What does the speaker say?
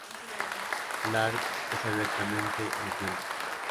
Clark es abiertamente lesbiana.